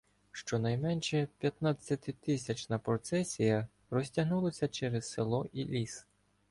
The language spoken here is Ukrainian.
Щонайменше п'ятнадцятитисячна процесія розтягнулася через село і ліс.